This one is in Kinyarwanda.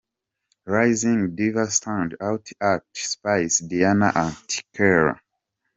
Raising Diva Stand Out Act Spice Diana – Anti Kale.